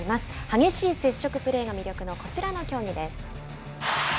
激しい接触プレーが魅力のこちらの競技です。